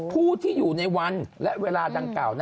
ผู้ที่อยู่ในวันและเวลาดังกล่าว